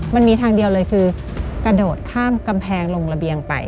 มันมีทางเดียวเลยคือกระโดดข้ามกำแพงลงระเบียงไป